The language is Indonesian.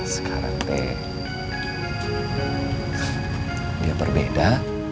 sekarang teh dia berbeda